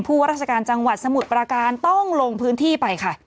ว่าราชการจังหวัดสมุทรประการต้องลงพื้นที่ไปค่ะ